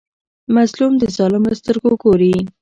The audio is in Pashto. مظلوم د ظالم له سترګو ګوري.